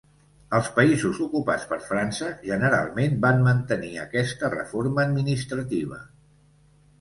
Els països ocupats per França generalment van mantenir aquesta reforma administrativa.